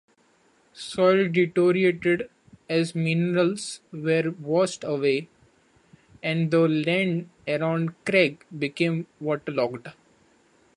Soil deteriorated as minerals were washed away, and the land around Cragg became waterlogged.